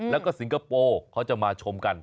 แล้วก็สิงคโปร์เขาจะมาชมกัน